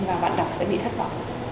và bạn đọc sẽ bị thất vọng